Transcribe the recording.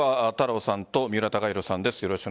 今日は太郎さんと三浦崇宏さんです。